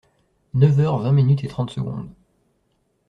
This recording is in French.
Neuf heures vingt minutes et trente secondes.